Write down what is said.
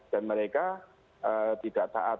dan mereka tidak taat